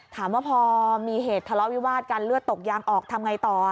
ถามว่าพอมีเหตุทะเลาะวิวาดกันเลือดตกยางออกทำไงต่อ